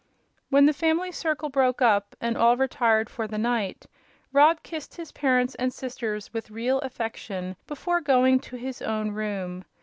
When the family circle broke up, and all retired for the night, Rob kissed his parents and sisters with real affection before going to his own room.